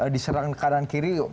diserang ke kanan kiri